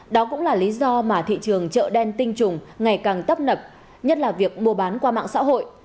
đó cũng là lý do mà thị trường chợ đen tinh trùng ngày càng tấp nập nhất là việc mua bán qua mạng xã hội